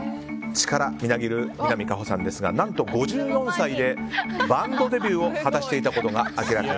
力みなぎる南果歩さんですが何と５４歳でバンドデビューを果たしていたことが。